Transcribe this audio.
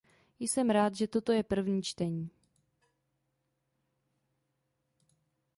Jsem rád, že toto je první čtení.